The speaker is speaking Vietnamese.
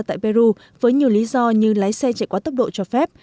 tại peru với nhiều lý do như lái xe chạy quá tốc độ cho phép